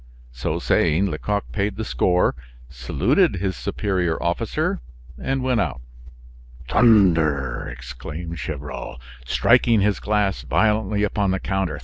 So saying, Lecoq paid the score, saluted his superior officer, and went out. "Thunder!" exclaimed Gevrol, striking his glass violently upon the counter.